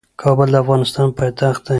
کابل د افغانستان پايتخت دی.